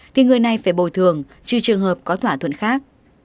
thì người này phải bồi thường trừ trường hợp có thỏa thuận khác